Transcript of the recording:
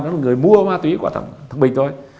nó là người mua ma túy của thẩm bình thôi